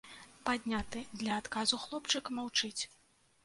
Падняты для адказу хлопчык маўчыць.